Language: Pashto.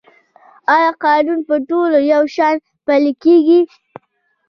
آیا قانون په ټولو یو شان پلی کیږي؟